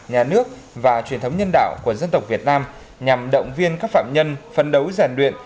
nhà nước và truyền thống nhân đạo của dân tộc việt nam nhằm động viên các phạm nhân phấn đấu rèn luyện